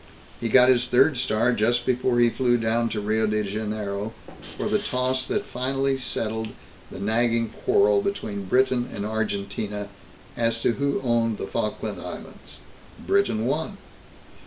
He got his third star just before he flew down to Rio de Janiero for the toss that finally settled the nagging quarrel between Britain and Argentina as to who owned the Falkland Islands. Britain won.